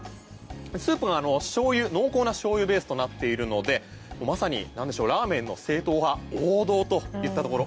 スープは濃厚な醤油ベースとなっているのでまさにラーメンの正統派王道といったところ。